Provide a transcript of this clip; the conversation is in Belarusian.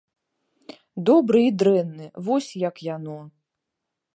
Добры і дрэнны, вось як яно.